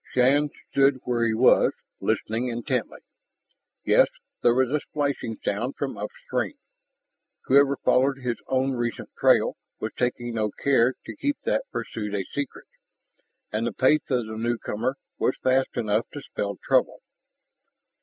Shann stood where he was, listening intently. Yes, there was a splashing sound from upstream. Whoever followed his own recent trail was taking no care to keep that pursuit a secret, and the pace of the newcomer was fast enough to spell trouble.